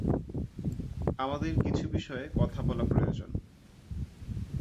আমাদের কিছু বিষয়ে কথা বলা প্রয়োজন।